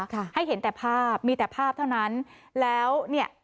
ให้เห็นแต่ภาพมีแต่ภาพเท่านั้นแล้วเนี่ย